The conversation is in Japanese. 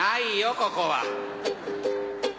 ここは。